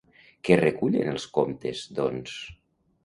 Què recullen els comptes, doncs?